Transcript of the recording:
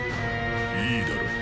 いいだろう。